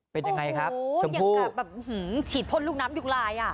เป็นยังไงครับเกี่ยวกับแบบฉีดพ่นลูกน้ำยุงลายอ่ะ